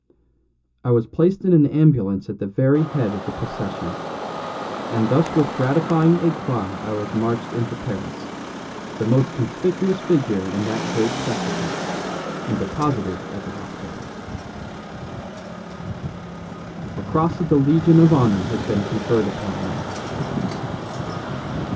I was placed in an ambulance at the very head of the procession; and thus with gratifying 'ECLAT I was marched into Paris, the most conspicuous figure in that great spectacle, and deposited at the hospital. The cross of the Legion of Honor has been conferred upon me.